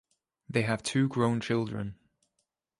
They have two grown children.